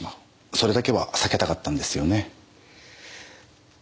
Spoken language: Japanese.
それだけは避けたかったんですよね？